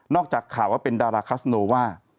จากข่าวว่าเป็นดาราคัสโนว่า